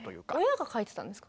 親が書いてたんですか？